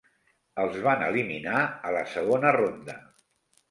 Els van eliminar a la segona ronda.